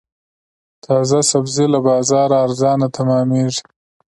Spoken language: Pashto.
تازه سبزي له بازاره ارزانه تمامېږي.